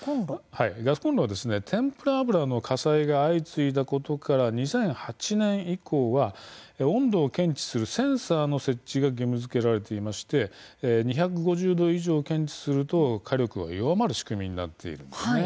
ガスコンロは天ぷら油の火災が相次いだことから２００８年以降は温度を検知するセンサーの設置が義務づけられていまして２５０度以上を検知すると火力が弱まる仕組みになっているんですね。